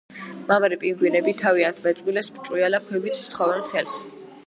მამრი პინგვინები თავიანთ მეწყვილეს ბრჭყვიალა ქვებით სთხოვენ ხელს.